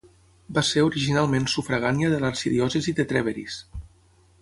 Va ser originalment sufragània de l'arxidiòcesi de Trèveris.